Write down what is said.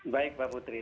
baik pak putri